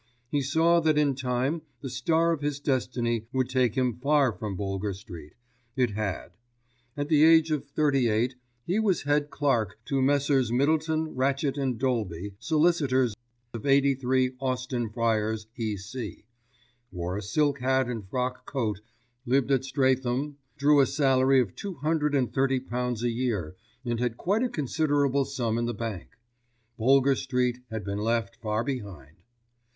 He saw that in time the star of his destiny would take him far from Boulger Street—it had. At the age of thirty eight he was head clerk to Messrs. Middleton, Ratchett & Dolby, Solicitors, of 83 Austin Friars, E.C., wore a silk hat and frock coat, lived at Streatham, drew a salary of two hundred and thirty pounds a year and had quite a considerable sum in the bank. Boulger Street had been left far behind.